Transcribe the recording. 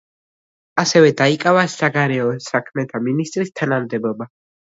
ასევე დაიკავა საგარეო საქმეთა მინისტრის თანამდებობა.